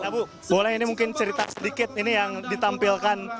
bu boleh ini mungkin cerita sedikit ini yang ditampilkan